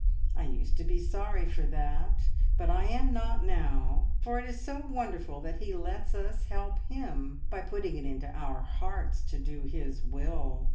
I used to be sorry for that, but I am not now, for it is so wonderful that He lets us help Him by putting it into our hearts to do His will.